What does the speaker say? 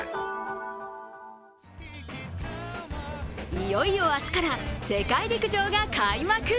いよいよ明日から世界陸上が開幕！